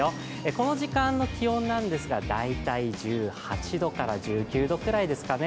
この時間の気温なんですが、大体１８度から１９度くらいですかね。